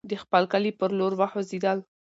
د خپل کلي پر لور وخوځېدل.